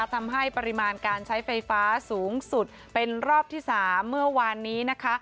ทำให้ปริมาณการใช้ไฟฟ้าสูงสุดเป็นรอบที่๓เมื่อวานนี้นะคะ